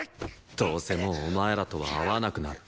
どうせもうお前らとは会わなくなる。